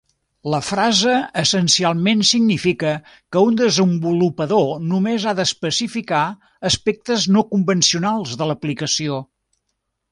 La frase essencialment significa que un desenvolupador només ha d'especificar aspectes no convencionals de l'aplicació.